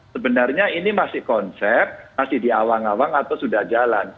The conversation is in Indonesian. sebenarnya ini masih konsep masih diawang awang atau sudah jalan